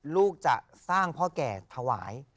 ลูกจะสร้างพ่อแก่ถวาย